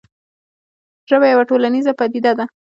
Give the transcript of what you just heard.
ژبه یوه ټولنیزه پدیده ده.